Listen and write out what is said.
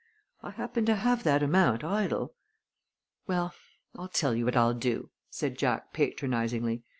"I happen to have that amount idle " "Well, I'll tell you what I'll do," said Jack, patronizingly.